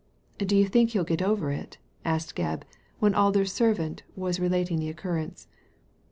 •* Do you think he'll get over it ?" asked Gcbb, when Alder's servant was relating the occurrence.